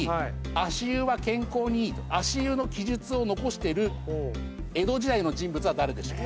足湯は健康にいいと足湯の記述を残してる江戸時代の人物は誰でしょう？